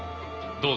どうぞ。